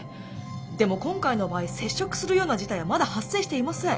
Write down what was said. でも今回の場合接触するような事態はまだ発生していません。